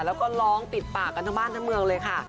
แล้วก็ร้องติดปากกันทั้งบ้านทั้งเมืองเลยค่ะ